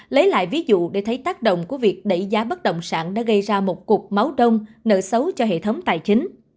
lấy lại ví dụ để thấy tác động của việc đẩy giá bất động sản đã gây ra một cục máu đông nợ xấu cho hệ thống tài chính